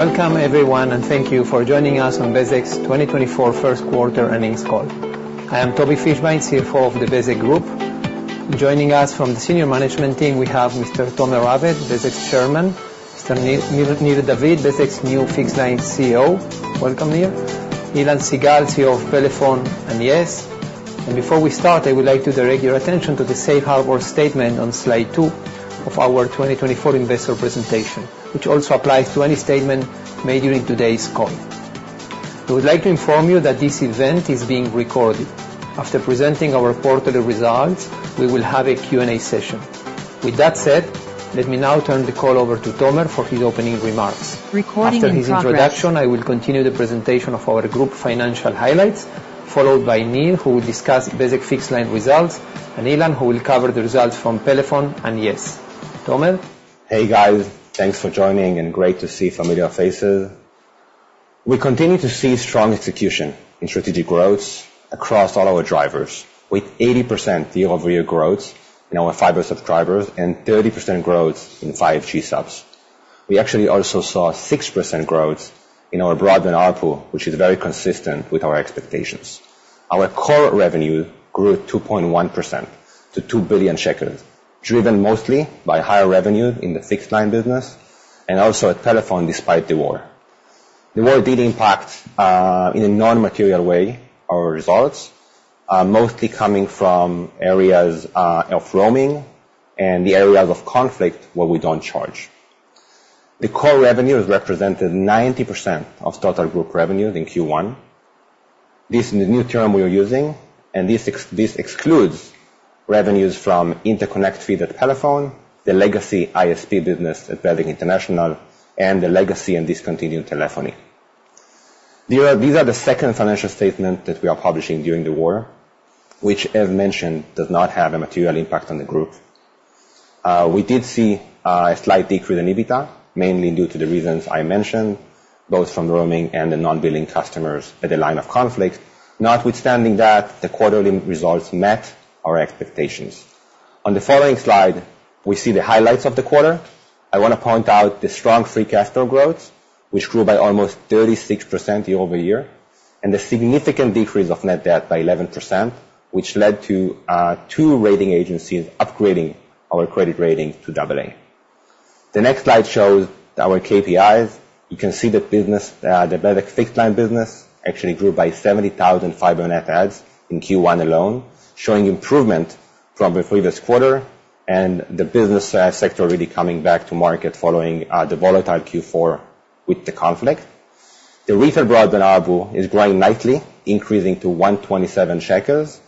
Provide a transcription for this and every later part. Welcome everyone, and thank you for joining us on Bezeq's 2024 Q1 earnings call. I am Tobi Fischbein, CFO of the Bezeq Group. Joining us from the senior management team, we have Mr. Tomer Raved, Bezeq's chairman, Mr. Nir David, Bezeq's new Fixed Line CEO. Welcome, Nir. Ilan Sigal, CEO of Pelephone and yes. And before we start, I would like to direct your attention to the safe harbor statement on slide 2 of our 2024 investor presentation, which also applies to any statement made during today's call. We would like to inform you that this event is being recorded. After presenting our quarterly results, we will have a Q&A session. With that said, let me now turn the call over to Tomer for his opening remarks. Recording in progress. After his introduction, I will continue the presentation of our group financial highlights, followed by Nir, who will discuss Bezeq Fixed Line results, and Ilan, who will cover the results from Pelephone and yes. Tomer? Hey, guys. Thanks for joining, and great to see familiar faces. We continue to see strong execution in strategic growth across all our drivers, with 80% year-over-year growth in our fiber subscribers and 30% growth in 5G subs. We actually also saw 6% growth in our broadband ARPU, which is very consistent with our expectations. Our core revenue grew 2.1% to 2 billion shekels, driven mostly by higher revenue in the Fixed Line business and also at Pelephone, despite the war. The war did impact, in a non-material way, our results, mostly coming from areas of roaming and the areas of conflict where we don't charge. The core revenue has represented 90% of total group revenue in Q1. This is the new term we are using, and this excludes revenues from interconnect fee that Pelephone, the legacy ISP business at Bezeq International, and the legacy and discontinued telephony. These are the second financial statement that we are publishing during the war, which, as mentioned, does not have a material impact on the group. We did see a slight decrease in EBITDA, mainly due to the reasons I mentioned, both from roaming and the non-billing customers at the line of conflict, notwithstanding that, the quarterly results met our expectations. On the following slide, we see the highlights of the quarter. I want to point out the strong free cash flow growth, which grew by almost 36% year-over-year, and the significant decrease of net debt by 11%, which led to two rating agencies upgrading our credit rating to AA. The next slide shows our KPIs. You can see the business, the Bezeq Fixed Line business actually grew by 70,000 fiber net adds in Q1 alone, showing improvement from the previous quarter and the business sector really coming back to market following the volatile Q4 with the conflict. The retail broadband ARPU is growing nicely, increasing to 127 shekels.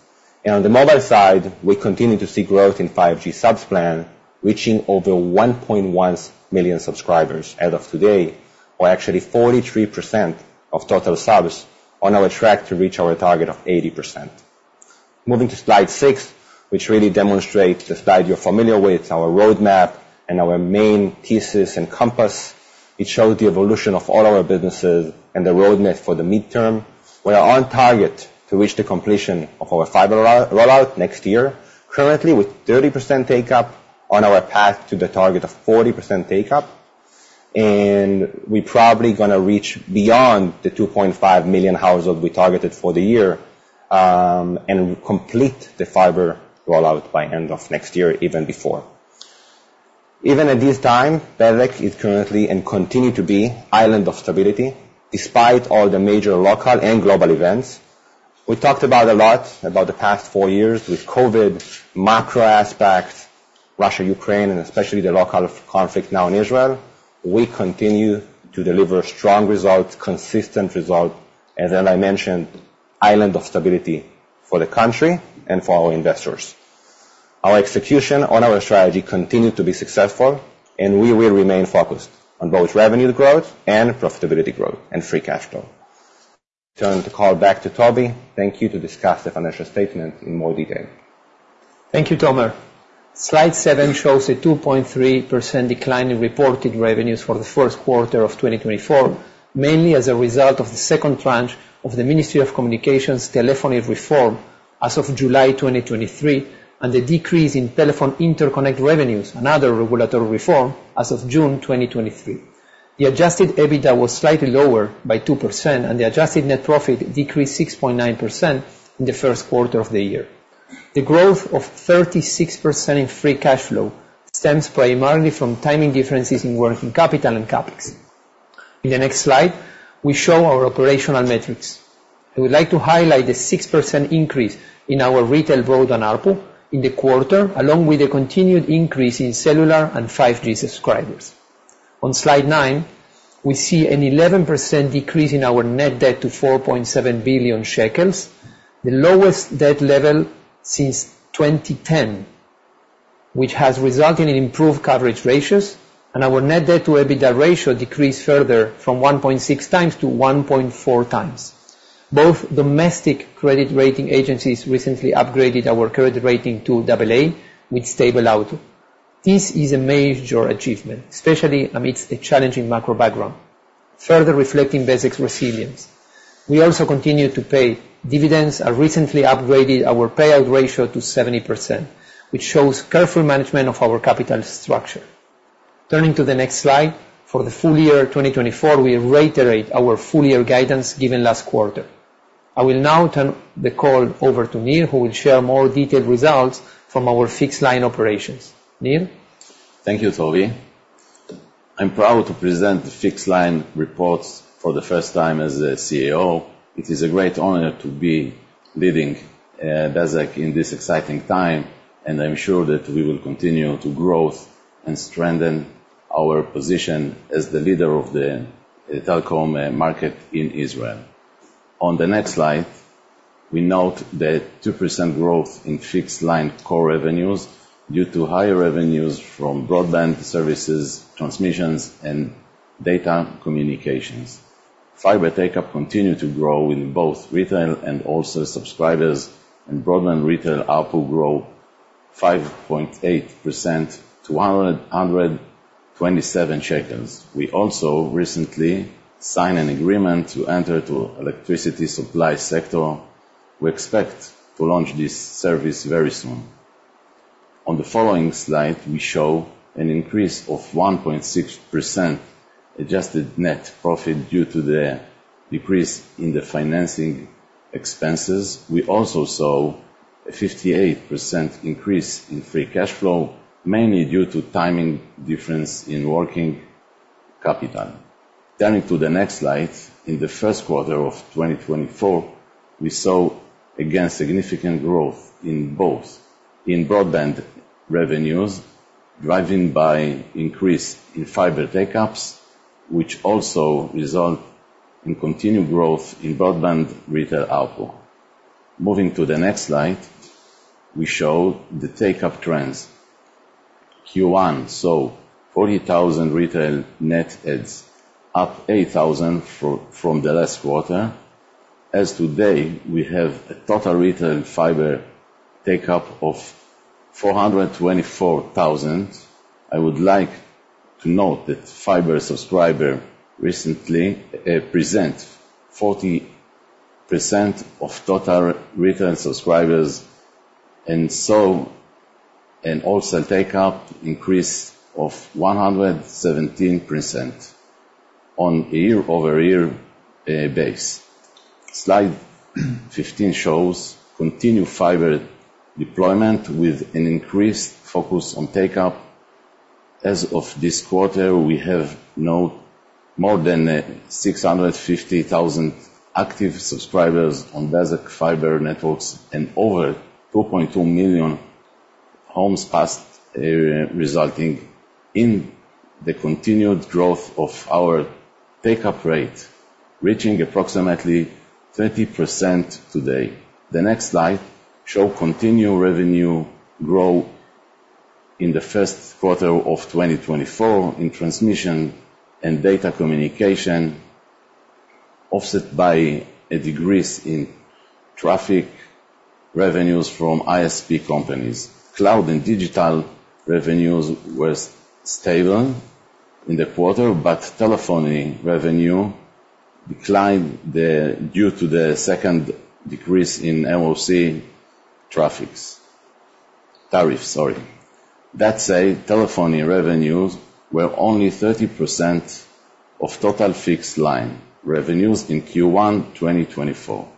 And on the mobile side, we continue to see growth in 5G subs plan, reaching over 1.1 million subscribers as of today, or actually 43% of total subs on our track to reach our target of 80%. Moving to slide 6, which really demonstrates the slide you're familiar with, our roadmap and our main thesis and compass. It shows the evolution of all our businesses and the roadmap for the midterm. We are on target to reach the completion of our fiber rollout next year, currently with 30% take up on our path to the target of 40% take up. And we're probably gonna reach beyond the 2.5 million households we targeted for the year, and complete the fiber rollout by end of next year, even before. Even at this time, Bezeq is currently and continue to be an island of stability, despite all the major local and global events. We talked a lot about the past four years with COVID, macro aspects, Russia, Ukraine, and especially the local conflict now in Israel. We continue to deliver strong results, consistent results, and as I mentioned, island of stability for the country and for our investors. Our execution on our strategy continued to be successful, and we will remain focused on both revenue growth and profitability growth and free cash flow. Turn the call back to Tobi. Thank you, to discuss the financial statement in more detail. Thank you, Tomer. Slide 7 shows a 2.3% decline in reported revenues for the Q1 of 2024, mainly as a result of the second tranche of the Ministry of Communications telephony reform as of July 2023, and the decrease in telephone interconnect revenues and other regulatory reform as of June 2023. The adjusted EBITDA was slightly lower by 2%, and the adjusted net profit decreased 6.9% in the Q1 of the year. The growth of 36% in free cash flow stems primarily from timing differences in working capital and CapEx. In the next slide, we show our operational metrics. I would like to highlight the 6% increase in our retail broadband ARPU in the quarter, along with a continued increase in cellular and 5G subscribers. On Slide 9, we see an 11% decrease in our net debt to 4.7 billion shekels, the lowest debt level since 2010, which has resulted in improved coverage ratios, and our net debt to EBITDA ratio decreased further from 1.6 times to 1.4 times. Both domestic credit rating agencies recently upgraded our credit rating to AA, with stable outlook. This is a major achievement, especially amidst a challenging macro background, further reflecting Bezeq's resilience.... We also continue to pay dividends and recently upgraded our payout ratio to 70%, which shows careful management of our capital structure. Turning to the next slide, for the full year 2024, we reiterate our full year guidance given last quarter. I will now turn the call over to Nir, who will share more detailed results from our Fixed Line operations. Nir? Thank you, Tobi. I'm proud to present the Fixed Line reports for the first time as a CEO. It is a great honor to be leading Bezeq in this exciting time, and I'm sure that we will continue to growth and strengthen our position as the leader of the telecom market in Israel. On the next slide, we note the 2% growth in Fixed Line core revenues due to higher revenues from broadband services, transmissions, and data communications. Fiber take-up continue to grow in both retail and also subscribers, and broadband retail ARPU grew 5.8% to 127 shekels. We also recently signed an agreement to enter to electricity supply sector. We expect to launch this service very soon. On the following slide, we show an increase of 1.6% adjusted net profit due to the decrease in the financing expenses. We also saw a 58% increase in free cash flow, mainly due to timing difference in working capital. Turning to the next slide, in the Q1 of 2024, we saw, again, significant growth in both: in broadband revenues, driving by increase in fiber take-ups, which also result in continued growth in broadband retail ARPU. Moving to the next slide, we show the take-up trends. Q1, so 40,000 retail net adds, up 8,000 from the last quarter. As today, we have a total retail fiber take-up of 424,000. I would like to note that fiber subscriber recently present 40% of total retail subscribers, and so a wholesale take-up increase of 117% on a year-over-year base. Slide 15 shows continued fiber deployment with an increased focus on take-up. As of this quarter, we have now more than 650,000 active subscribers on Bezeq fiber networks and over 2.2 million homes passed, resulting in the continued growth of our take-up rate, reaching approximately 30% today. The next slide show continued revenue growth in the Q1 of 2024 in transmission and data communication, offset by a decrease in traffic revenues from ISP companies. Cloud and digital revenues were stable in the quarter, but telephony revenue declined due to the second decrease in MOC traffic tariff. That said, telephony revenues were only 30% of total Fixed Line revenues in Q1 2024.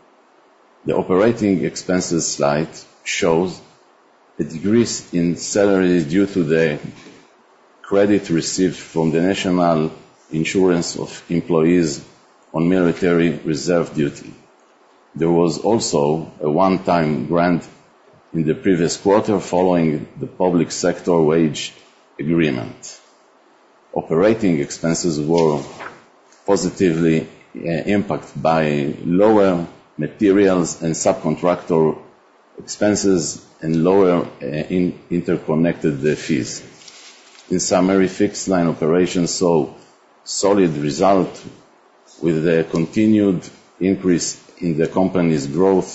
The operating expenses slide shows a decrease in salary due to the credit received from the National Insurance Institute of employees on military reserve duty. There was also a one-time grant in the previous quarter following the public sector wage agreement. Operating expenses were positively impact by lower materials and subcontractor expenses and lower interconnect fees. In summary, Fixed Line operations saw solid result with the continued increase in the company's growth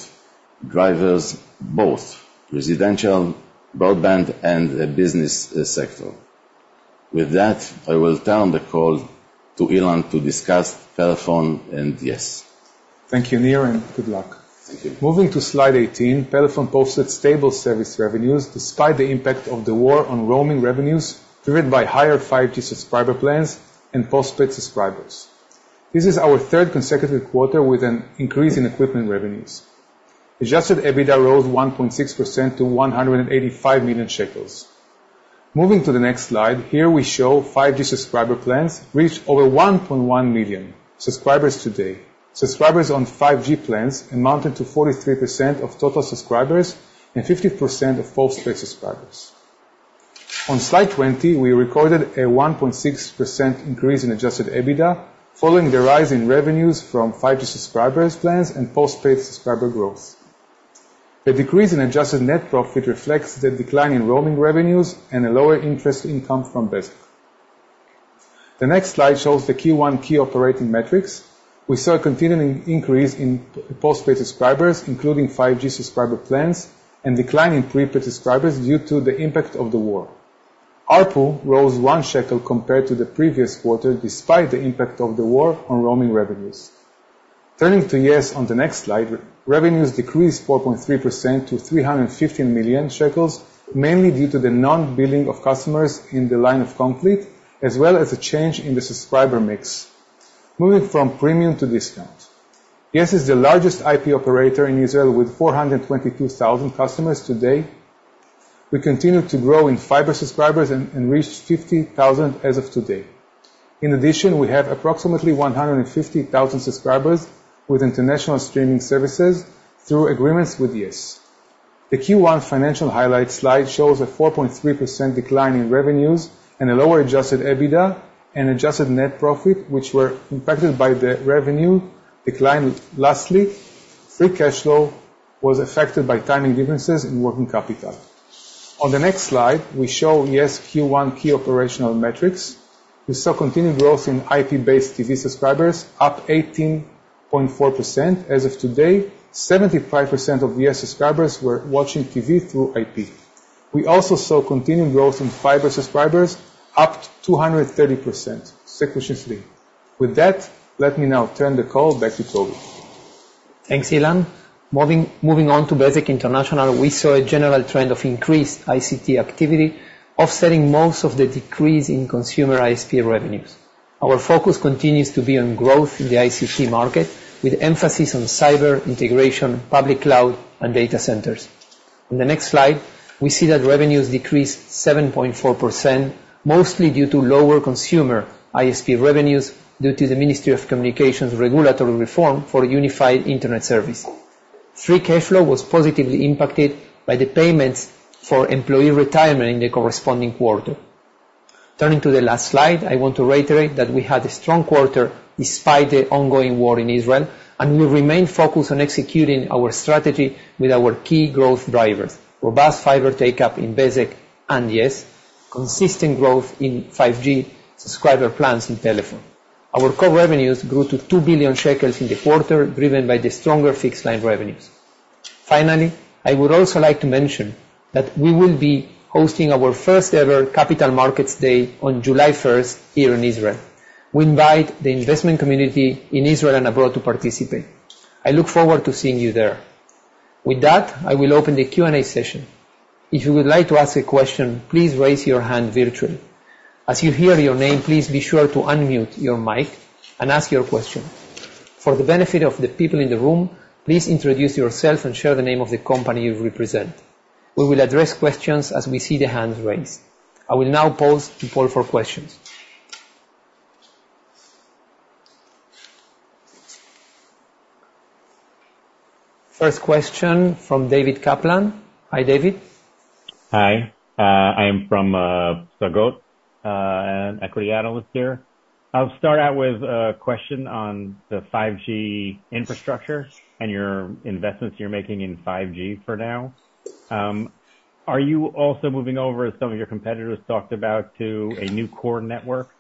drivers, both residential broadband and a business sector. With that, I will turn the call to Ilan to discuss Pelephone and yes. Thank you, Nir, and good luck. Thank you. Moving to slide 18, Pelephone posted stable service revenues despite the impact of the war on roaming revenues, driven by higher 5G subscriber plans and postpaid subscribers. This is our third consecutive quarter with an increase in equipment revenues. Adjusted EBITDA rose 1.6% to 185 million shekels. Moving to the next slide, here we show 5G subscriber plans, reached over 1.1 million subscribers today. Subscribers on 5G plans amounted to 43% of total subscribers and 50% of postpaid subscribers. On slide 20, we recorded a 1.6% increase in adjusted EBITDA, following the rise in revenues from 5G subscriber plans and postpaid subscriber growth. A decrease in adjusted net profit reflects the decline in roaming revenues and a lower interest income from Bezeq. The next slide shows the Q1 key operating metrics. We saw a continuing increase in postpaid subscribers, including 5G subscriber plans, and decline in prepaid subscribers due to the impact of the war. ARPU rose 1 shekel compared to the previous quarter, despite the impact of the war on roaming revenues. Turning to yes on the next slide, revenues decreased 4.3% to 315 million shekels, mainly due to the non-billing of customers in the line of conflict, as well as a change in the subscriber mix, moving from premium to discount. yes is the largest IP operator in Israel, with 422,000 customers today. We continue to grow in fiber subscribers and reached 50,000 as of today. In addition, we have approximately 150,000 subscribers with international streaming services through agreements with yes. The Q1 financial highlights slide shows a 4.3% decline in revenues and a lower Adjusted EBITDA and adjusted net profit, which were impacted by the revenue decline. Lastly, free cash flow was affected by timing differences in working capital. On the next slide, we show yes Q1 key operational metrics. We saw continued growth in IP-based TV subscribers, up 18.4%. As of today, 75% of yes subscribers were watching TV through IP. We also saw continued growth in fiber subscribers, up to 230% sequentially. With that, let me now turn the call back to Tobi. Thanks, Ilan. Moving on to Bezeq International, we saw a general trend of increased ICT activity, offsetting most of the decrease in consumer ISP revenues. Our focus continues to be on growth in the ICT market, with emphasis on cyber integration, public cloud, and data centers. On the next slide, we see that revenues decreased 7.4%, mostly due to lower consumer ISP revenues, due to the Ministry of Communications regulatory reform for unified Internet service. Free cash flow was positively impacted by the payments for employee retirement in the corresponding quarter. Turning to the last slide, I want to reiterate that we had a strong quarter despite the ongoing war in Israel, and we remain focused on executing our strategy with our key growth drivers: robust fiber take-up in Bezeq and yes, consistent growth in 5G subscriber plans in Pelephone. Our core revenues grew to 2 billion shekels in the quarter, driven by the stronger fixed-line revenues. Finally, I would also like to mention that we will be hosting our first-ever Capital Markets Day on 1st July, here in Israel. We invite the investment community in Israel and abroad to participate. I look forward to seeing you there. With that, I will open the Q&A session. If you would like to ask a question, please raise your hand virtually. As you hear your name, please be sure to unmute your mic and ask your question. For the benefit of the people in the room, please introduce yourself and share the name of the company you represent. We will address questions as we see the hands raised. I will now pause to poll for questions. First question from David Kaplan. Hi, David. Hi, I am from Psagot, an equity analyst here. I'll start out with a question on the 5G infrastructure and your investments you're making in 5G for now. Are you also moving over, as some of your competitors talked about, to a new core network?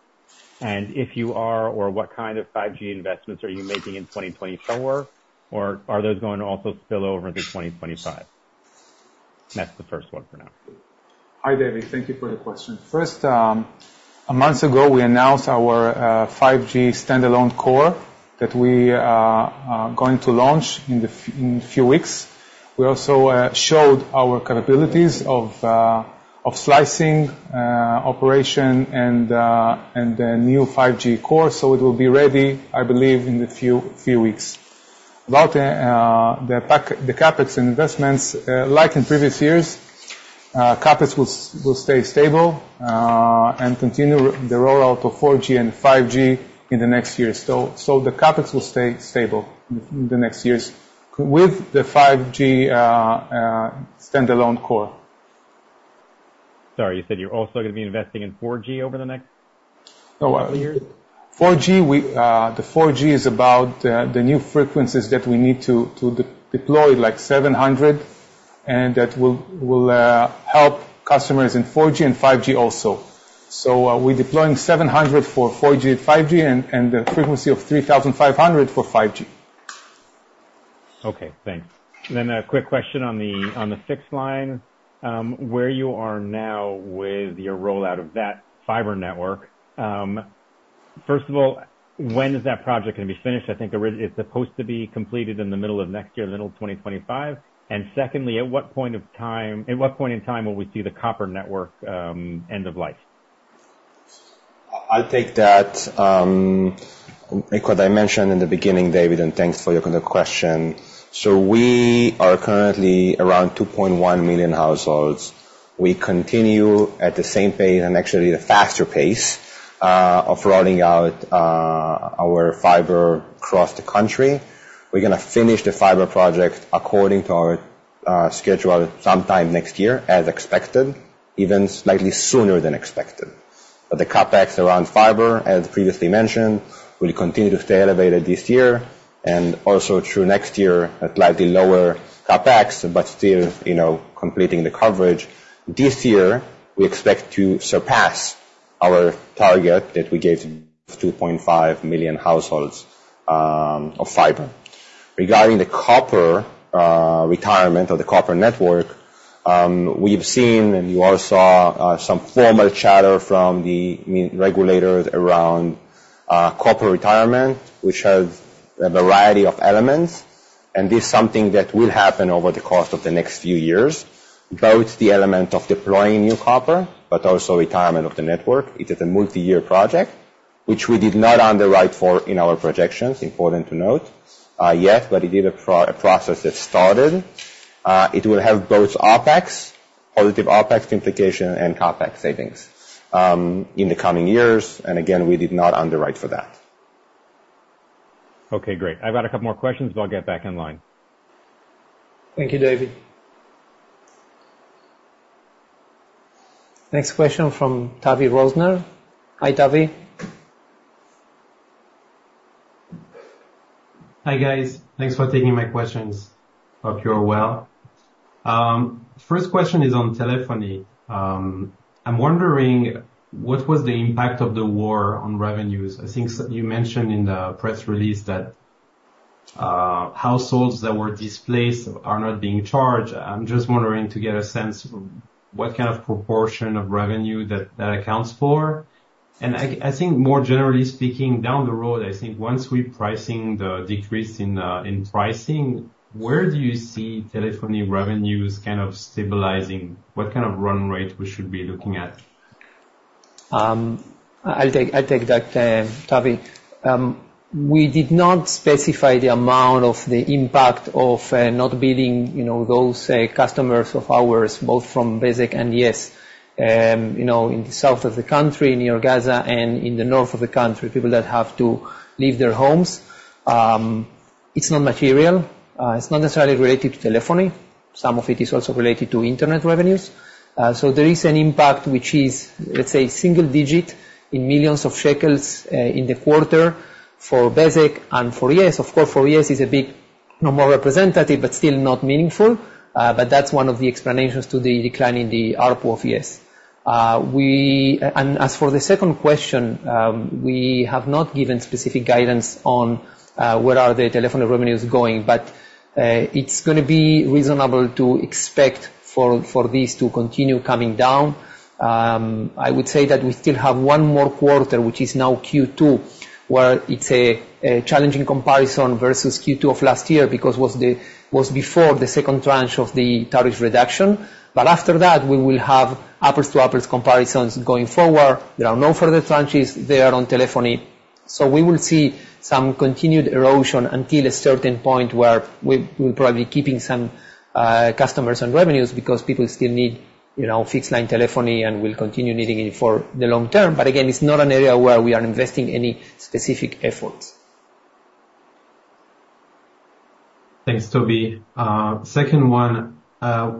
And if you are, or what kind of 5G investments are you making in 2024, or are those going to also spill over into 2025? That's the first one for now. Hi, David. Thank you for the question. First, a month ago, we announced our 5G standalone core that we are going to launch in a few weeks. We also showed our capabilities of slicing operation and the new 5G core, so it will be ready, I believe, in a few weeks. About the CapEx and investments, like in previous years, CapEx will stay stable and continue the rollout of 4G and 5G in the next year. So the CapEx will stay stable in the next years with the 5G standalone core. Sorry, you said you're also going to be investing in 4G over the next- Oh, uh- - few years? 4G, we... The 4G is about the new frequencies that we need to deploy, like 700, and that will help customers in 4G and 5G also. So, we're deploying 700 for 4G and 5G, and a frequency of 3,500 for 5G. Okay, thanks. Then a quick question on the Fixed Line, where you are now with your rollout of that fiber network. First of all, when is that project going to be finished? I think it's supposed to be completed in the middle of next year, the middle of 2025. And secondly, at what point of time—at what point in time will we see the copper network end of life? I'll take that. Like what I mentioned in the beginning, David, and thanks for your question. So we are currently around 2.1 million households. We continue at the same pace, and actually at a faster pace, of rolling out our fiber across the country. We're gonna finish the fiber project according to our schedule, sometime next year, as expected, even slightly sooner than expected. But the CapEx around fiber, as previously mentioned, will continue to stay elevated this year and also through next year at slightly lower CapEx, but still, you know, completing the coverage. This year, we expect to surpass our target that we gave, 2.5 million households, of fiber. Regarding the copper retirement of the copper network, we've seen, and you all saw, some formal chatter from the regulators around copper retirement, which has a variety of elements, and this is something that will happen over the course of the next few years. Both the element of deploying new copper, but also retirement of the network. It is a multi-year project, which we did not underwrite for in our projections, important to note, yet, but it is a process that started. It will have both OpEx, positive OpEx implication and CapEx savings, in the coming years, and again, we did not underwrite for that. Okay, great. I've got a couple more questions, but I'll get back in line. Thank you, David. Next question from Tavy Rosner. Hi, Tavy. Hi, guys. Thanks for taking my questions. Hope you are well. First question is on telephony. I'm wondering, what was the impact of the war on revenues? I think you mentioned in the press release that households that were displaced are not being charged. I'm just wondering to get a sense of what kind of proportion of revenue that, that accounts for. And I, I think more generally speaking, down the road, I think once we pricing the decrease in, in pricing, where do you see telephony revenues kind of stabilizing? What kind of run rate we should be looking at? I'll take, I'll take that, Tavy. We did not specify the amount of the impact of not billing, you know, those customers of ours, both from Bezeq and yes, you know, in the south of the country, near Gaza and in the north of the country, people that have to leave their homes. It's not material. It's not necessarily related to telephony. Some of it is also related to internet revenues. So there is an impact which is, let's say, single digit in millions of ILS, in the quarter for Bezeq and for yes. Of course, for yes is a big, no more representative, but still not meaningful. But that's one of the explanations to the decline in the ARPU of yes. We... As for the second question, we have not given specific guidance on where the telephony revenues are going, but it's gonna be reasonable to expect for this to continue coming down. I would say that we still have one more quarter, which is now Q2, where it's a challenging comparison versus Q2 of last year, because it was before the second tranche of the tariff reduction. But after that, we will have apples to apples comparisons going forward. There are no further tranches there on telephony, so we will see some continued erosion until a certain point where we're probably keeping some customers and revenues because people still need, you know, Fixed Line telephony and will continue needing it for the long term. But again, it's not an area where we are investing any specific efforts. Thanks, Tobi. Second one,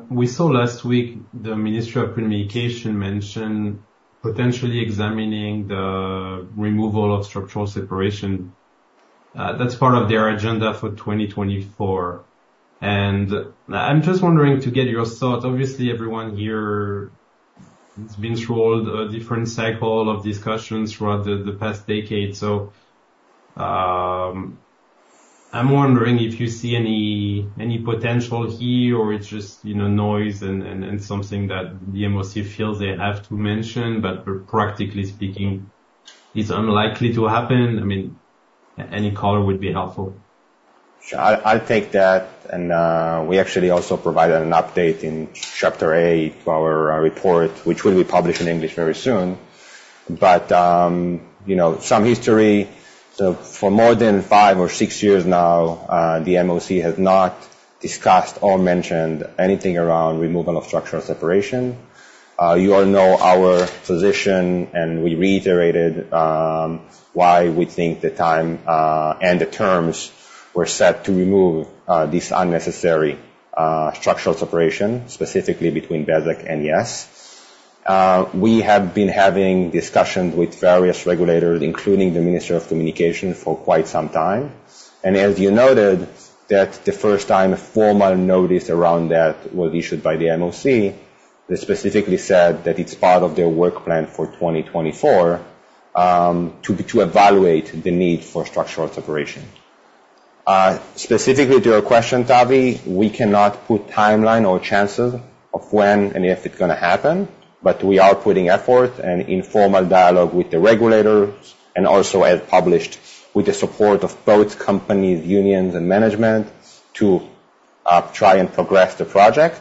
we saw last week, the Ministry of Communications mention potentially examining the removal of structural separation. That's part of their agenda for 2024. And I'm just wondering, to get your thoughts. Obviously, everyone here has been through a different cycle of discussions throughout the past decade. So, I'm wondering if you see any potential here, or it's just, you know, noise and something that the MOC feels they have to mention, but practically speaking, it's unlikely to happen. I mean, any color would be helpful. Sure. I'll take that. And we actually also provided an update in chapter 8 of our report, which will be published in English very soon. But you know, some history. So for more than five or six years now, the MOC has not discussed or mentioned anything around removal of structural separation. You all know our position, and we reiterated why we think the time and the terms were set to remove this unnecessary structural separation, specifically between Bezeq and yes. We have been having discussions with various regulators, including the Minister of Communications, for quite some time. And as you noted, that's the first time a formal notice around that was issued by the MOC. They specifically said that it's part of their work plan for 2024 to evaluate the need for structural separation. Specifically to your question, Tavi, we cannot put timeline or chances of when and if it's gonna happen, but we are putting effort and informal dialogue with the regulators, and also as published, with the support of both companies, unions and management, to try and progress the project.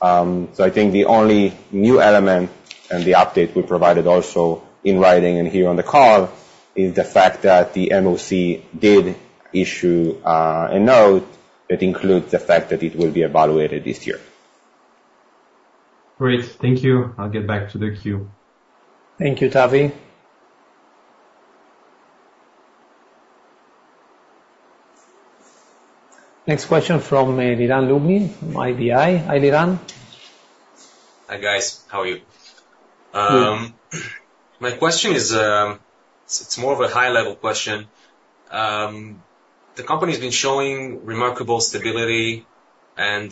So I think the only new element, and the update we provided also in writing and here on the call, is the fact that the MOC did issue a note that includes the fact that it will be evaluated this year. Great. Thank you. I'll get back to the queue. Thank you, Tavy. Next question from Liran Lublin from IBI. Hi, Liran. Hi, guys. How are you? Good. My question is, it's more of a high-level question. The company's been showing remarkable stability and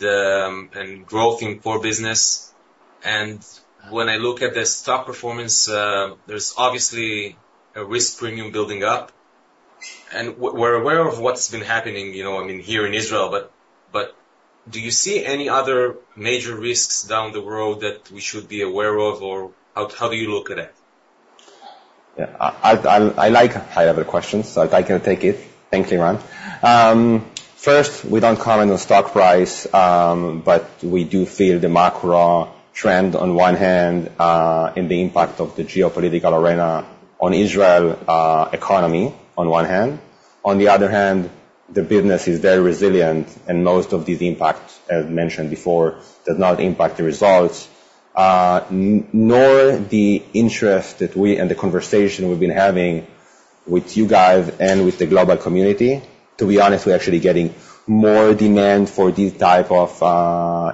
growth in core business. When I look at the stock performance, there's obviously a risk premium building up, and we're aware of what's been happening, you know, I mean, here in Israel. But do you see any other major risks down the road that we should be aware of, or how do you look at it? Yeah, I have a question, so I can take it. Thank you, Liran. First, we don't comment on stock price, but we do feel the macro trend on one hand, in the impact of the geopolitical arena on Israel economy, on one hand. On the other hand, the business is very resilient, and most of these impacts, as mentioned before, does not impact the results, nor the interest that we, and the conversation we've been having with you guys and with the global community. To be honest, we're actually getting more demand for these type of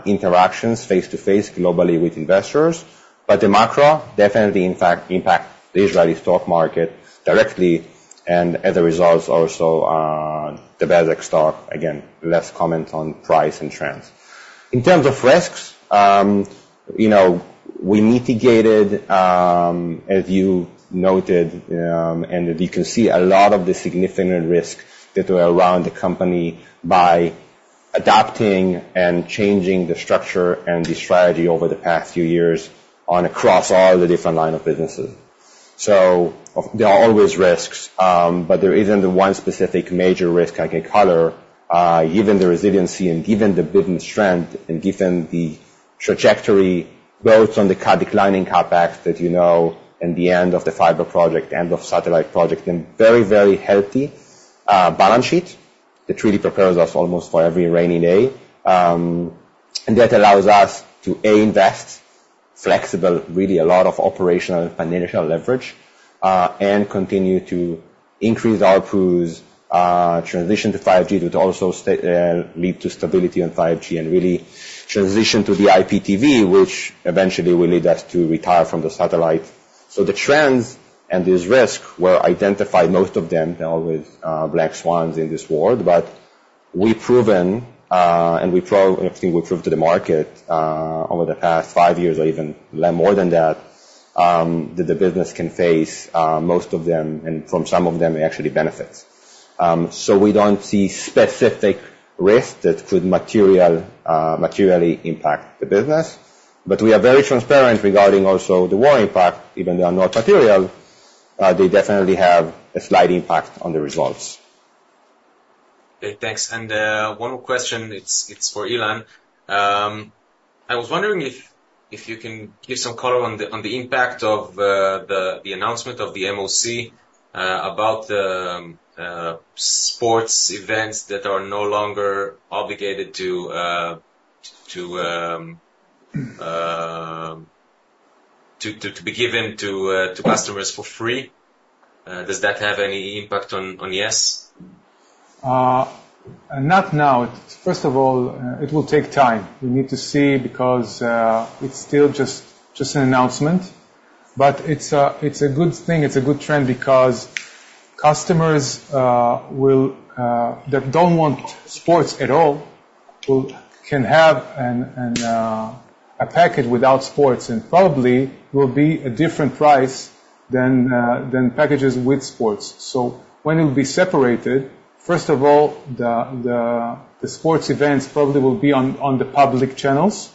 interactions, face-to-face, globally with investors. But the macro definitely impacts the Israeli stock market directly, and as a result, also the Bezeq stock. Again, less comment on price and trends. In terms of risks, you know, we mitigated, as you noted, and you can see a lot of the significant risk that were around the company by adapting and changing the structure and the strategy over the past few years across all the different line of businesses. So there are always risks, but there isn't one specific major risk I can call out, given the resiliency and given the business trend, and given the trajectory, both on our declining CapEx, that you know, and the end of the fiber project, end of satellite project, and very, very healthy balance sheet, that really prepares us almost for every rainy day. And that allows us to, A, invest, flexible, really a lot of operational and financial leverage, and continue to increase our pools, transition to 5G, which also lead to stability on 5G and really transition to the IPTV, which eventually will lead us to retire from the satellite. So the trends and this risk were identified, most of them, there are always, black swans in this world, but we've proven, and we pro-- and I think we proved to the market, over the past five years or even more than that, that the business can face, most of them, and from some of them, it actually benefits. So, we don't see specific risk that could materially impact the business, but we are very transparent regarding also the war impact, even though are not material, they definitely have a slight impact on the results. Okay, thanks. And, one more question, it's, it's for Ilan. I was wondering if, if you can give some color on the, on the impact of, the, the announcement of the MOC, about the, sports events that are no longer obligated to, to, to be given to, to customers for free. Does that have any impact on, on yes? Not now. First of all, it will take time. We need to see, because it's still just an announcement, but it's a good thing, it's a good trend because customers will... That don't want sports at all, will can have a package without sports, and probably will be a different price than packages with sports. So when it will be separated, first of all, the sports events probably will be on the public channels.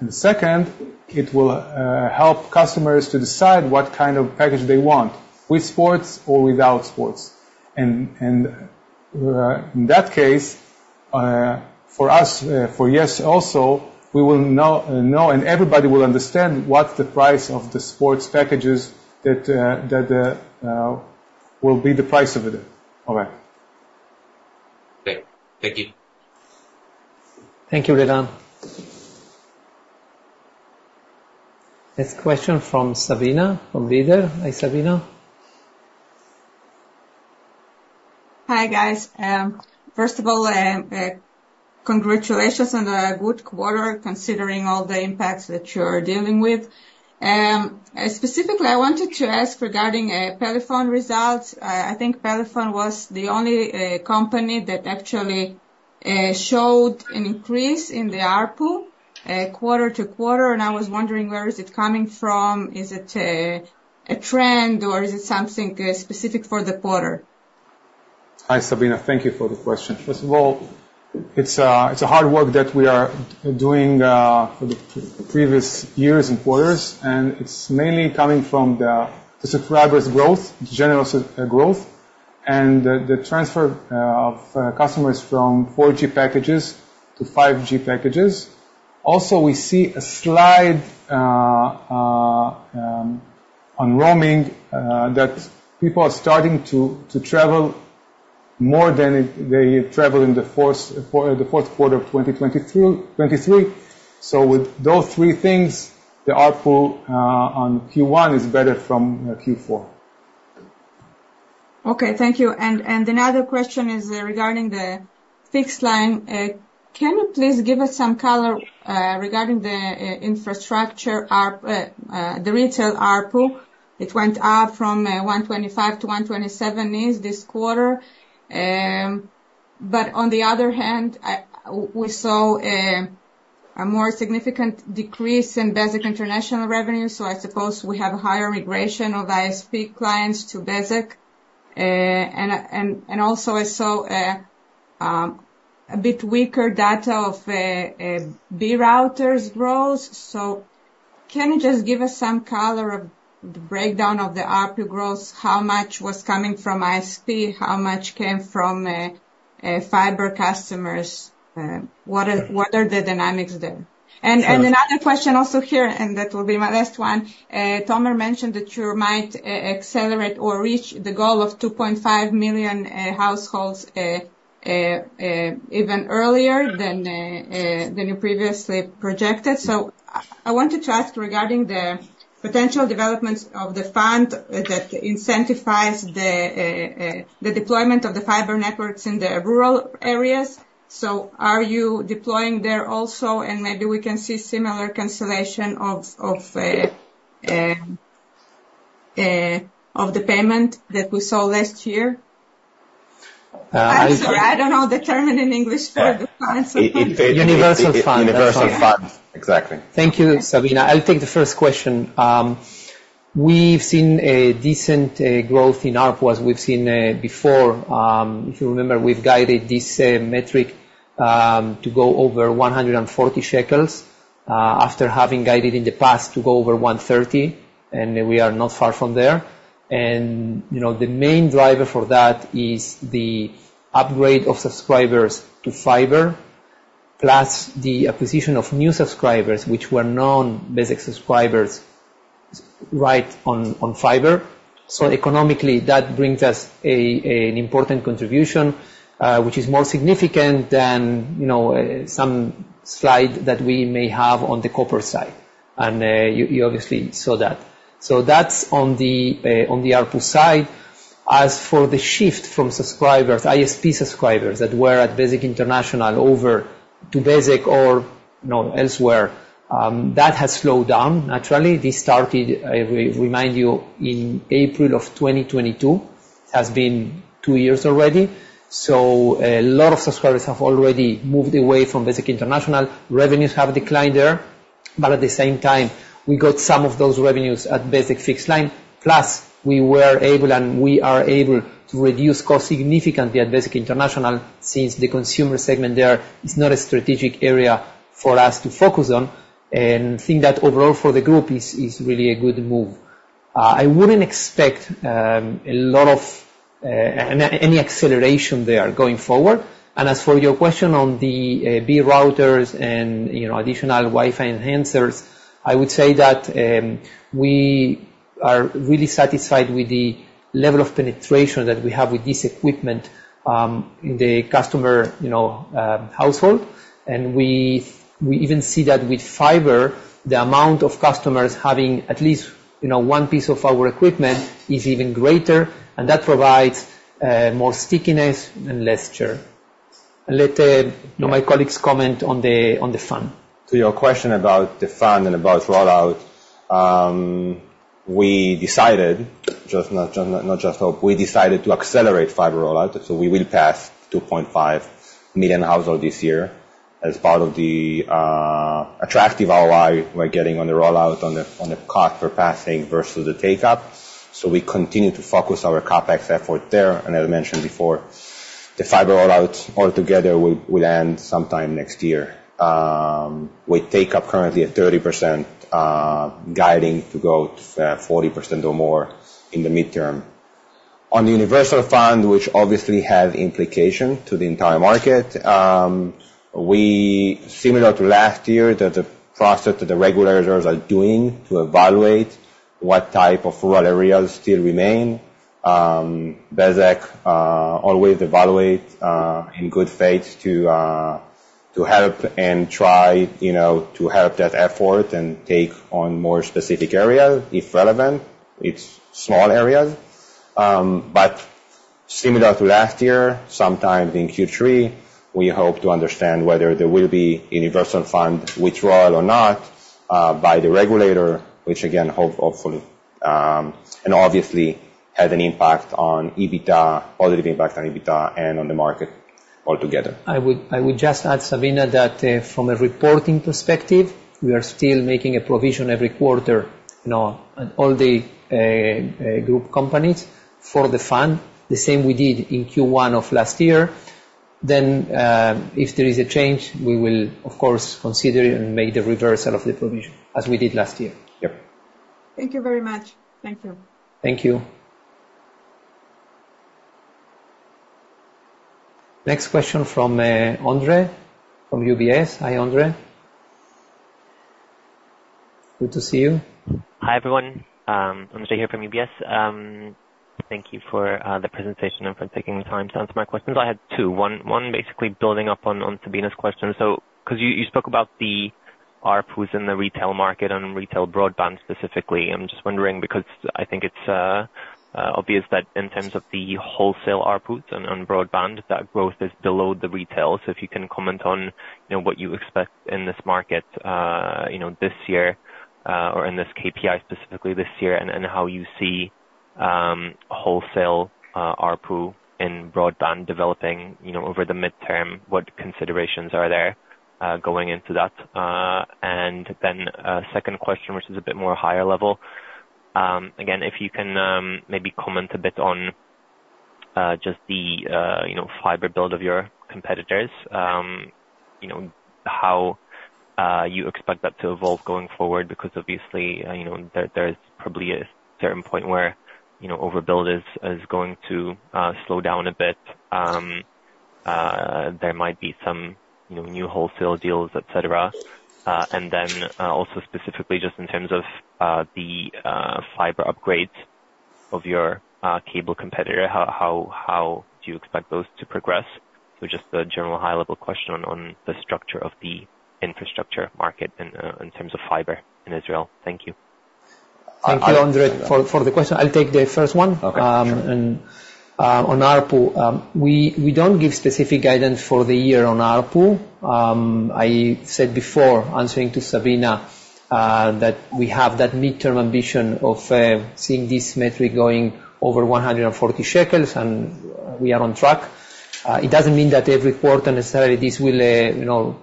And second, it will help customers to decide what kind of package they want, with sports or without sports. And in that case, for us, for yes also, we will know and everybody will understand what's the price of the sports packages that will be the price of it. All right. Great. Thank you. Thank you, Liran. Next question from Sabina, from Leader. Hi, Sabina. Hi, guys. First of all, congratulations on the good quarter, considering all the impacts that you're dealing with. Specifically, I wanted to ask regarding Pelephone results. I think Pelephone was the only company that actually showed an increase in the ARPU, quarter to quarter, and I was wondering, where is it coming from? Is it a trend, or is it something specific for the quarter? Hi, Sabina. Thank you for the question. First of all, it's a hard work that we are doing for the previous years and quarters, and it's mainly coming from the subscribers growth, general growth, and the transfer of customers from 4G packages to 5G packages. Also, we see a slide on roaming that people are starting to travel more than they travel in the fourth quarter of 2022, 2023. So with those three things, the ARPU on Q1 is better from Q4. Okay, thank you. And another question is regarding the Fixed Line. Can you please give us some color regarding the infrastructure, ARPU, the retail ARPU? It went up from 125 to 127 in this quarter. But on the other hand, I, we saw a more significant decrease in Bezeq international revenue, so I suppose we have a higher migration of ISP clients to Bezeq. And also I saw a bit weaker data of Be routers growth. So can you just give us some color of the breakdown of the ARPU growth? How much was coming from ISP? How much came from fiber customers? What are the dynamics there? And another question also here, and that will be my last one. Tomer mentioned that you might accelerate or reach the goal of 2.5 million households even earlier than you previously projected. So I want to just regarding the potential developments of the fund that incentivizes the deployment of the fiber networks in the rural areas. So are you deploying there also? And maybe we can see similar cancellation of the payment that we saw last year. Uh, I- I'm sorry, I don't know the term in English for the fund. Universal Fund. Universal Fund, exactly. Thank you, Sabina. I'll take the first question. We've seen a decent growth in ARPU as we've seen before. If you remember, we've guided this metric to go over 140 shekels after having guided in the past to go over 130, and we are not far from there. You know, the main driver for that is the upgrade of subscribers to fiber, plus the acquisition of new subscribers, which were known basic subscribers right on fiber. So economically, that brings us an important contribution, which is more significant than, you know, some slide that we may have on the copper side, and you obviously saw that. So that's on the ARPU side. As for the shift from subscribers, ISP subscribers that were at Bezeq International over to Bezeq or, you know, elsewhere, that has slowed down. Naturally, this started, I re-remind you, in April of 2022. It has been two years already, so a lot of subscribers have already moved away from Bezeq International. Revenues have declined there, but at the same time, we got some of those revenues at Bezeq Fixed Line. Plus, we were able, and we are able to reduce costs significantly at Bezeq International, since the consumer segment there is not a strategic area for us to focus on, and think that overall for the group is really a good move. I wouldn't expect a lot of any acceleration there going forward. As for your question on the B-routers and, you know, additional Wi-Fi enhancers, I would say that we are really satisfied with the level of penetration that we have with this equipment in the customer, you know, household. And we even see that with fiber, the amount of customers having at least, you know, one piece of our equipment is even greater, and that provides more stickiness and less churn. I'll let my colleagues comment on the fund. To your question about the fund and about rollout, we decided, not just hope, we decided to accelerate fiber rollout, so we will pass 2.5 million households this year as part of the attractive ROI we're getting on the rollout, on the cost per passing versus the take-up. So we continue to focus our CapEx effort there. As I mentioned before, the fiber rollout altogether will end sometime next year. Our take-up currently at 30%, guiding to growth to 40% or more in the midterm. On the Universal Fund, which obviously have implication to the entire market, we similar to last year, that the process that the regulators are doing to evaluate what type of rural areas still remain, Bezeq always evaluate in good faith to, to help and try, you know, to help that effort and take on more specific areas, if relevant. It's small areas, but similar to last year, sometime in Q3, we hope to understand whether there will be Universal Fund withdrawal or not by the regulator, which again, hopefully and obviously has an impact on EBITDA, positive impact on EBITDA and on the market altogether. I would, I would just add, Sabina, that from a reporting perspective, we are still making a provision every quarter, you know, on all the group companies for the fund, the same we did in Q1 of last year. Then, if there is a change, we will of course consider and make the reversal of the provision, as we did last year. Yep. Thank you very much. Thank you. Thank you. Next question from Andre, from UBS. Hi, Andre. Good to see you. Hi, everyone. Andre here from UBS. Thank you for the presentation and for taking the time to answer my questions. I had two, one basically building up on Sabina's question. So because you spoke about the ARPU in the retail market and retail broadband specifically. I'm just wondering because I think it's obvious that in terms of the wholesale ARPUs on broadband, that growth is below the retail. So if you can comment on, you know, what you expect in this market, you know, this year, or in this KPI, specifically this year, and how you see wholesale ARPU in broadband developing, you know, over the midterm, what considerations are there going into that? And then, second question, which is a bit more higher level. Again, if you can, maybe comment a bit on, just the, you know, fiber build of your competitors. You know, how you expect that to evolve going forward, because obviously, you know, there is probably a certain point where, you know, overbuild is going to slow down a bit. There might be some, you know, new wholesale deals, et cetera. And then, also specifically just in terms of, the fiber upgrades of your cable competitor, how do you expect those to progress? So just a general high-level question on the structure of the infrastructure market in terms of fiber in Israel. Thank you. Thank you, Andre, for the question. I'll take the first one. Okay, sure. On ARPU, we don't give specific guidance for the year on ARPU. I said before, answering to Sabina, that we have that midterm ambition of seeing this metric going over 140 shekels, and we are on track. It doesn't mean that every quarter, necessarily, this will, you know,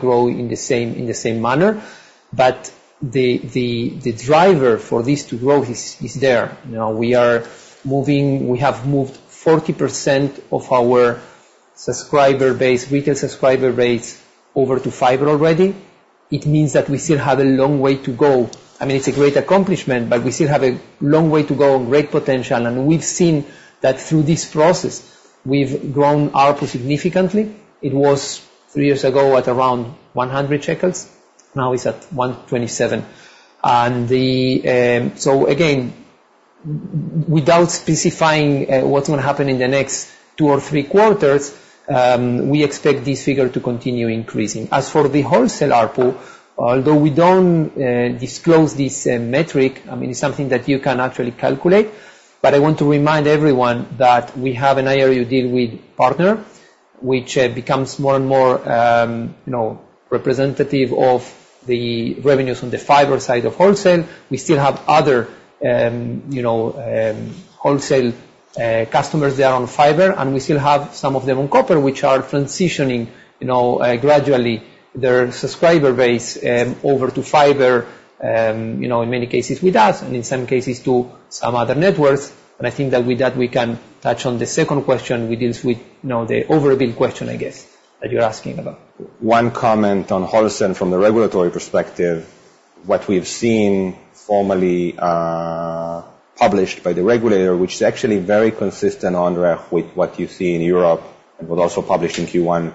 grow in the same manner, but the driver for this to grow is there. You know, we are moving. We have moved 40% of our subscriber base, retail subscriber base over to fiber already. It means that we still have a long way to go. I mean, it's a great accomplishment, but we still have a long way to go, and great potential, and we've seen that through this process, we've grown ARPU significantly. It was 3 years ago, at around 100 shekels, now it's at 127. So again, without specifying what's going to happen in the next 2 or 3 quarters, we expect this figure to continue increasing. As for the wholesale ARPU, although we don't disclose this metric, I mean, it's something that you can actually calculate, but I want to remind everyone that we have an IRU deal with Partner, which becomes more and more, you know, representative of the revenues on the fiber side of wholesale. We still have other, you know, wholesale customers there on fiber, and we still have some of them on copper, which are transitioning, you know, gradually their subscriber base over to fiber, you know, in many cases with us, and in some cases, to some other networks. I think that with that, we can touch on the second question, which deals with, you know, the overbuild question, I guess, that you're asking about. One comment on wholesale from the regulatory perspective. What we've seen formally published by the regulator, which is actually very consistent, Andre, with what you see in Europe, and was also published in Q1.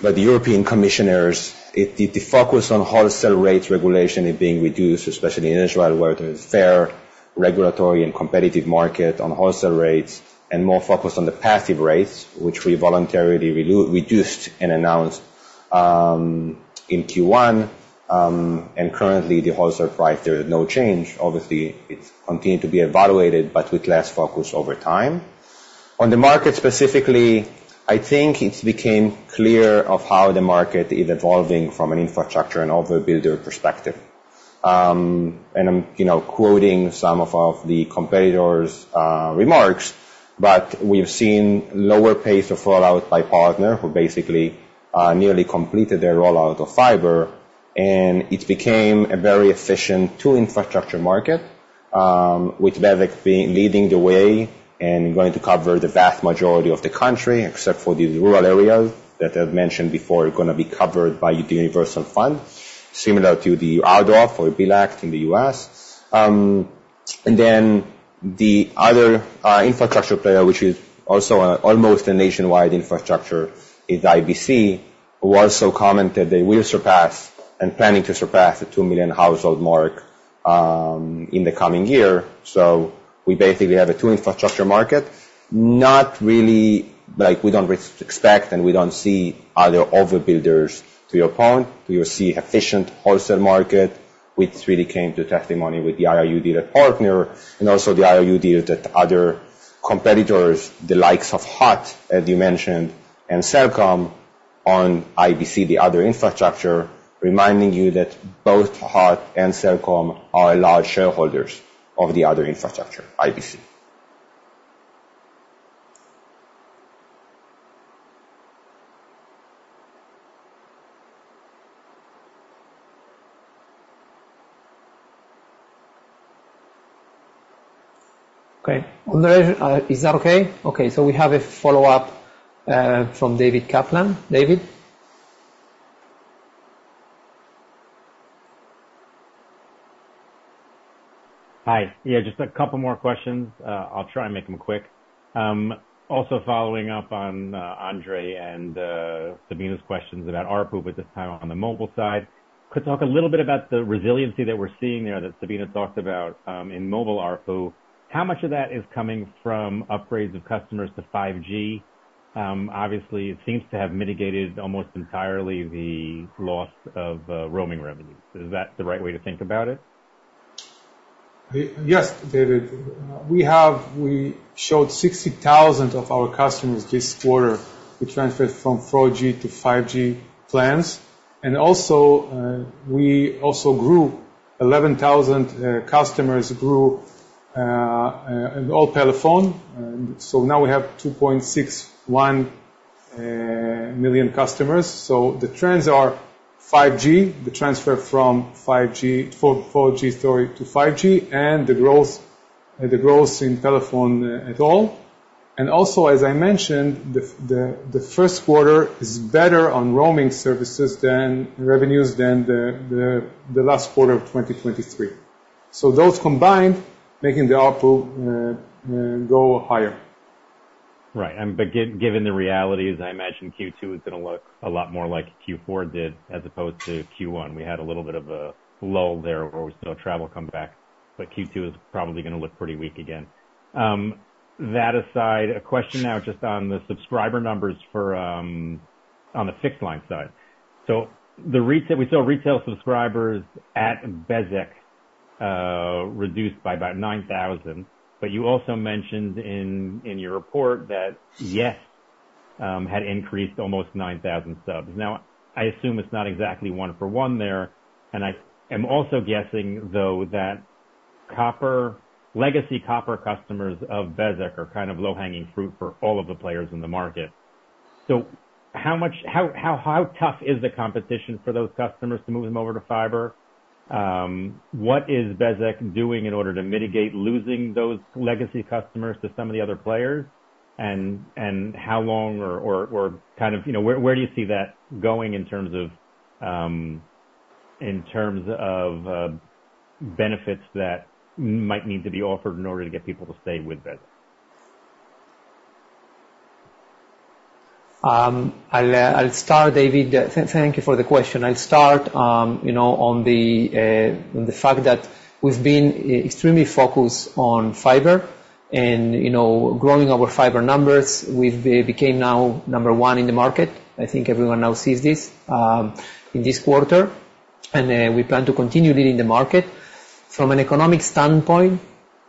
But the European commissioners, the focus on wholesale rates regulation is being reduced, especially in Israel, where there's fair, regulatory, and competitive market on wholesale rates, and more focused on the passive rates, which we voluntarily reduced and announced in Q1. And currently, the wholesale price, there is no change. Obviously, it's continuing to be evaluated, but with less focus over time. On the market specifically, I think it's became clear of how the market is evolving from an infrastructure and overbuilder perspective. And I'm, you know, quoting some of the competitors' remarks, but we've seen lower pace of rollout by Partner, who basically nearly completed their rollout of fiber, and it became a very efficient two-infrastructure market, with Bezeq being leading the way and going to cover the vast majority of the country, except for these rural areas that I've mentioned before, which are gonna be covered by the Universal Fund, similar to the RDOF or BEAD Act in the U.S. And then the other infrastructure player, which is also almost a nationwide infrastructure, is IBC, who also commented they will surpass and planning to surpass the 2 million household mark, in the coming year. So we basically have a two infrastructure market. Not really, like, we don't expect, and we don't see other overbuilders to your point. We will see efficient wholesale market, which really came to testimony with the IRU deal or partner, and also the IRU deal that other competitors, the likes of HOT, as you mentioned, and Cellcom on IBC, the other infrastructure, reminding you that both HOT and Cellcom are large shareholders of the other infrastructure, IBC. Okay. Is that okay? Okay, so we have a follow-up from David Kaplan. David? Hi. Yeah, just a couple more questions. I'll try and make them quick. Also following up on Andre and Sabina's questions about ARPU, but this time on the mobile side. Could you talk a little bit about the resiliency that we're seeing there, that Sabina talked about, in mobile ARPU? How much of that is coming from upgrades of customers to 5G? Obviously, it seems to have mitigated almost entirely the loss of roaming revenues. Is that the right way to think about it? Yes, David, we have. We showed 60,000 of our customers this quarter, which transferred from 4G to 5G plans. Also, we also grew 11,000 customers in Pelephone. And so now we have 2.61 million customers. So the trends are: 5G, the transfer from 4G to 5G, and the growth, the growth in Pelephone at all. And also, as I mentioned, the Q1 is better on roaming services revenues than the last quarter of 2023. So those combined, making the output go higher. Right. But given the realities, I imagine Q2 is gonna look a lot more like Q4 did, as opposed to Q1. We had a little bit of a lull there where we saw travel come back, but Q2 is probably gonna look pretty weak again. That aside, a question now just on the subscriber numbers for, on the Fixed Line side. So the retail, we saw retail subscribers at Bezeq reduced by about 9,000, but you also mentioned in your report that yes had increased almost 9,000 subs. Now, I assume it's not exactly one for one there, and I am also guessing, though, that copper, legacy copper customers of Bezeq are kind of low-hanging fruit for all of the players in the market. So how much... How tough is the competition for those customers to move them over to fiber? What is Bezeq doing in order to mitigate losing those legacy customers to some of the other players? And how long or kind of, you know, where do you see that going in terms of, in terms of, benefits that might need to be offered in order to get people to stay with Bezeq? I'll start, David. Thank you for the question. I'll start, you know, on the fact that we've been extremely focused on fiber and, you know, growing our fiber numbers. We've became now number one in the market. I think everyone now sees this in this quarter, and we plan to continue leading the market. From an economic standpoint,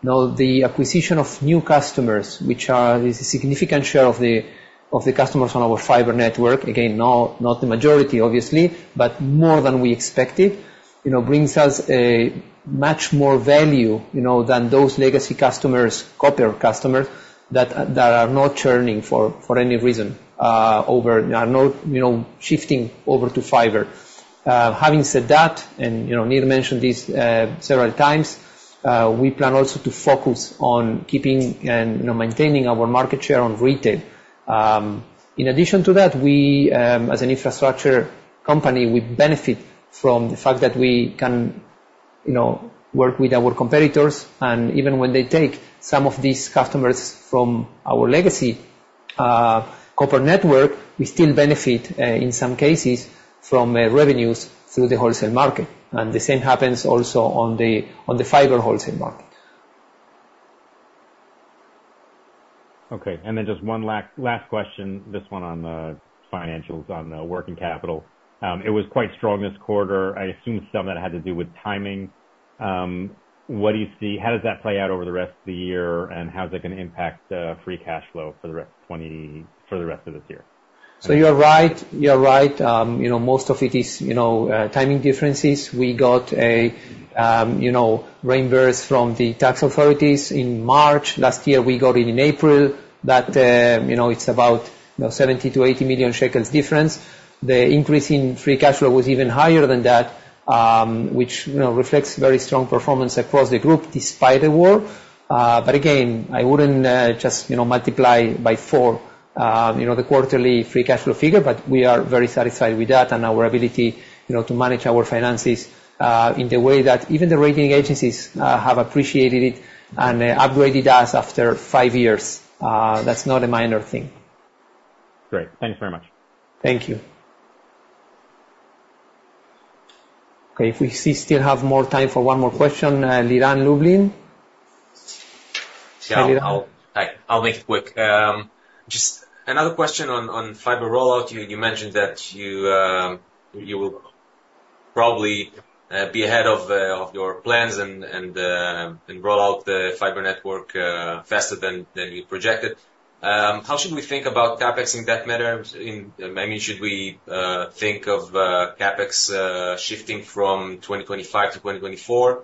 now, the acquisition of new customers, which are, is a significant share of the, of the customers on our fiber network, again, not, not the majority, obviously, but more than we expected, you know, brings us a much more value, you know, than those legacy customers, copper customers, that that are not churning for, for any reason, over. Are not, you know, shifting over to fiber. Having said that, and, you know, Nir mentioned this several times, we plan also to focus on keeping and, you know, maintaining our market share on retail. In addition to that, we, as an infrastructure company, we benefit from the fact that we can, you know, work with our competitors, and even when they take some of these customers from our legacy copper network, we still benefit, in some cases, from revenues through the wholesale market. And the same happens also on the fiber wholesale market. Okay, and then just one last question, this one on the financials, on the working capital. It was quite strong this quarter. I assume some of that had to do with timing. What do you see, how does that play out over the rest of the year, and how is that going to impact Free Cash Flow for the rest of this year? So you're right, you're right. You know, most of it is, you know, timing differences. We got a, you know, reimbursement from the tax authorities in March. Last year, we got it in April. That, you know, it's about 70 million-80 million shekels difference. The increase in free cash flow was even higher than that, which, you know, reflects very strong performance across the group, despite the war. But again, I wouldn't, just, you know, multiply by four, you know, the quarterly free cash flow figure, but we are very satisfied with that and our ability, you know, to manage our finances, in the way that even the rating agencies, have appreciated it and, upgraded us after five years. That's not a minor thing. Great. Thank you very much. Thank you. Okay, if we still have more time for one more question, Liran Lublin? Yeah. Liran. Hi, I'll make it quick. Just another question on fiber rollout. You mentioned that you will probably be ahead of your plans and roll out the fiber network faster than you projected. How should we think about CapEx in that matter? Maybe should we think of CapEx shifting from 2025 to 2024?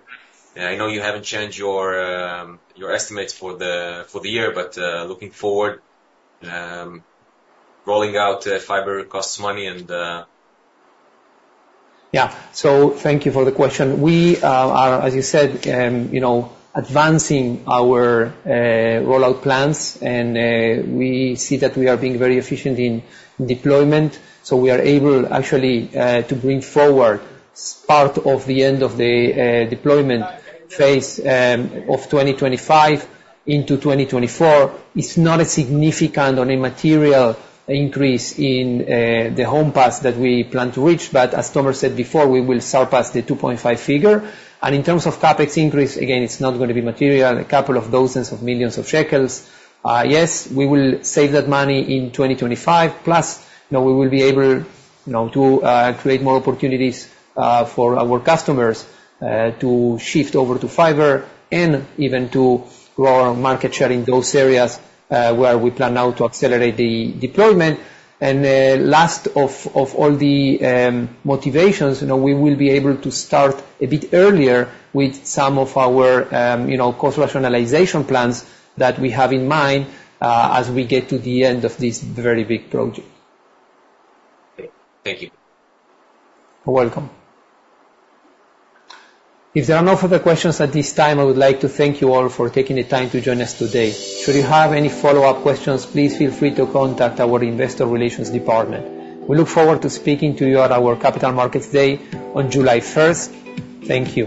I know you haven't changed your estimates for the year, but looking forward, rolling out fiber costs money and... Yeah. So thank you for the question. We are, as you said, you know, advancing our rollout plans, and we see that we are being very efficient in deployment. So we are able actually to bring forward part of the end of the deployment phase of 2025 into 2024. It's not a significant or a material increase in the homes passed that we plan to reach, but as Thomas said before, we will surpass the 2.5 figure. And in terms of CapEx increase, again, it's not gonna be material, a couple dozen million ILS. Yes, we will save that money in 2025, plus, you know, we will be able, you know, to create more opportunities for our customers to shift over to fiber and even to grow our market share in those areas where we plan now to accelerate the deployment. And last of all the motivations, you know, we will be able to start a bit earlier with some of our, you know, cost rationalization plans that we have in mind as we get to the end of this very big project. Thank you. You're welcome. If there are no further questions at this time, I would like to thank you all for taking the time to join us today. Should you have any follow-up questions, please feel free to contact our Investor Relations department. We look forward to speaking to you at our Capital Markets Day on July first. Thank you.